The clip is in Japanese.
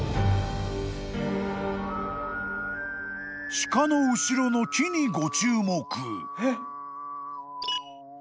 ［鹿の後ろの木にご注目］